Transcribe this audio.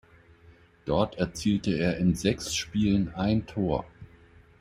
Dort erzielte er in sechs Spielen ein Tor.